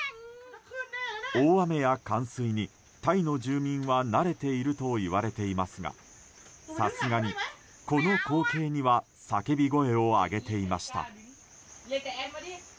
大雨や冠水にタイの住民は慣れているといわれていますがさすがに、この光景には叫び声を上げていました。